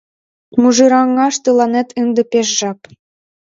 — Мужыраҥаш тыланет ынде пеш жап!